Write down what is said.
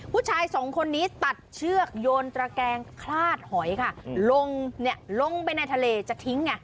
ผู้ชายสองคนนี้ตัดเชือกโยนตระแกรงคลาดหอยลงไปในทะเลจะทิ้ง